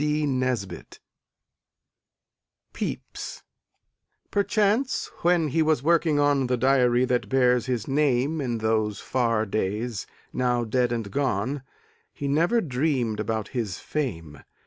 PEPYS Perchance when he was working on The diary that bears his name In those far days, now dead and gone, He never dreamed about his fame.